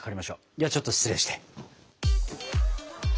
ではちょっと失礼して。